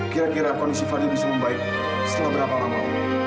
kira kira kondisi fadli bisa membaik setelah berapa lama